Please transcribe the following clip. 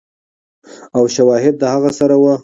او شواهد د هغه سره ؤ